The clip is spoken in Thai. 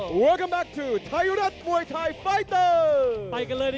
สวัสดีค่ะมวยทายไฟท์เตอร์